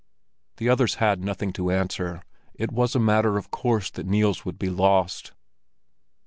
The others had nothing to answer; it was a matter of course that Niels would be lost.